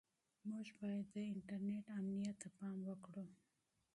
موږ باید د انټرنیټ امنیت ته پام وکړو.